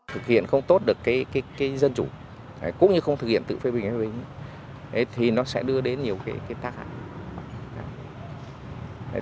thực hiện không tốt được cái dân chủ cũng như không thực hiện tự phê bình phê bình thì nó sẽ đưa đến nhiều cái tác hại